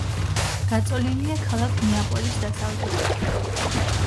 გაწოლილია ქალაქ ნეაპოლის დასავლეთით.